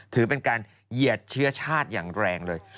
ถือเป็นการเหยียดเชื้อชาติอย่างแรงเลย